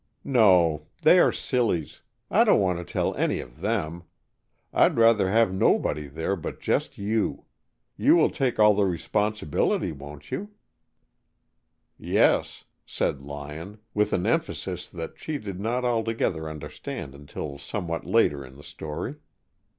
"No. They are sillies. I don't want to tell any of them. I'd rather have nobody there but just you. You will take all the responsibility, won't you?" "Yes," said Lyon, with an emphasis that she did not altogether understand until somewhat later in the story.